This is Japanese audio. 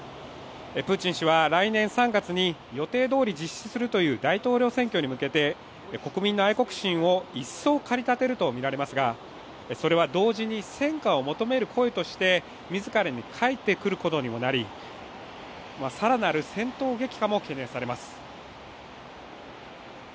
プーチン氏は来年３月に予定どおり実施するという大統領選挙に向けて国民の愛国心を一層駆り立てるとみられますが、それは同時に、戦果を求める声として自らに返ってくることにもなり更なる戦闘激化も懸念されます。